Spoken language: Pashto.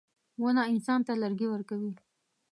• ونه انسان ته لرګي ورکوي.